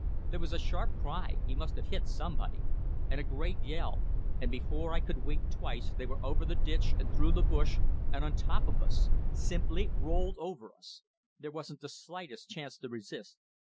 There was a sharp cry he must have hit somebody and a great yell, and before I could wink twice they were over the ditch and through the bush and on top of us! Simply rolled over us! There wasn't the slightest chance to resist.